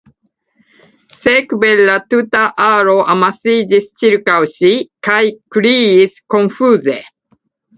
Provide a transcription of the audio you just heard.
Sekve, la tuta aro amasiĝis ĉirkaŭ ŝi kaj kriis konfuze.